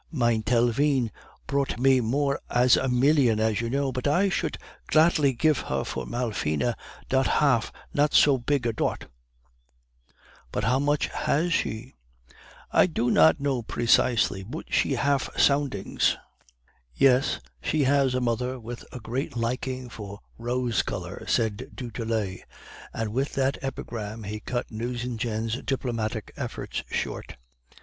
Mein Telvine prouht me more as a million, as you know, but I should gladly gif her for Malfina dot haf not so pig a dot.' "'But how much has she?' "'I do not know precisely; boot she haf somdings.' "'Yes, she has a mother with a great liking for rose color.' said du Tillet; and with that epigram he cut Nucingen's diplomatic efforts short.